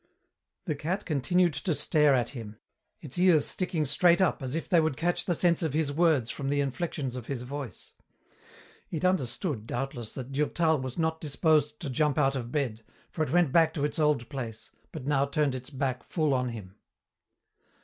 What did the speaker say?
The cat continued to stare at him, its ears sticking straight up as if they would catch the sense of his words from the inflections of his voice. It understood, doubtless, that Durtal was not disposed to jump out of bed, for it went back to its old place, but now turned its back full on him.